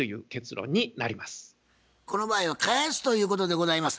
この場合は返すということでございます。